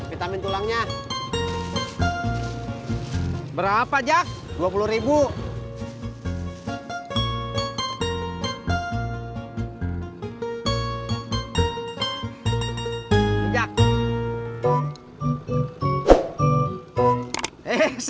sekarang kalang yang kuk fifikur anytime ever